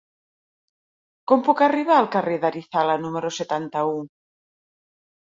Com puc arribar al carrer d'Arizala número setanta-u?